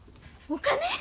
お金？